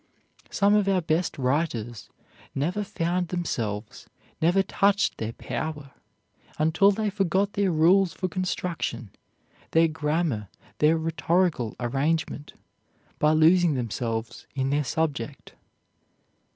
Some of our best writers never found themselves, never touched their power, until they forgot their rules for construction, their grammar, their rhetorical arrangement, by losing themselves in their subject.